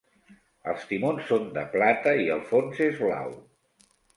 Els timons són de plata i el fons és blau.